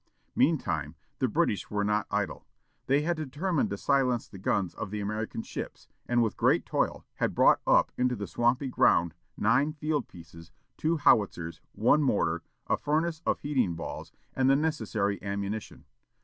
Meantime, the British were not idle. They had determined to silence the guns of the American ships, and, with great toil, had brought up into the swampy ground nine field pieces, two howitzers, one mortar, a furnace for heating balls, and the necessary ammunition.